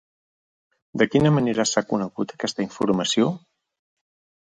De quina manera s'ha conegut aquesta informació?